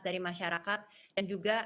dari masyarakat dan juga